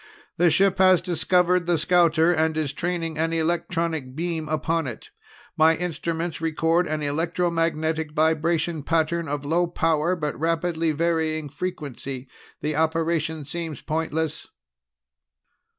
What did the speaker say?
"The ship has discovered the scouter and is training an electronic beam upon it. My instruments record an electromagnetic vibration pattern of low power but rapidly varying frequency. The operation seems pointless."